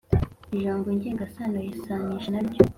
ijambo ngengasano yisanisha na ryo